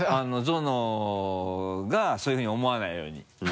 ゾノがそういうふうに思わないように。